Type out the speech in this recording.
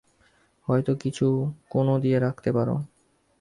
হয়তো কিছু কোন দিয়ে রাখতে পারো।